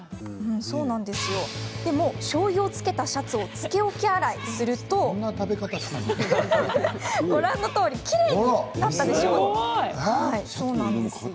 でも、しょうゆをつけたシャツをつけ置き洗いするとご覧のとおりきれいになったでしょ？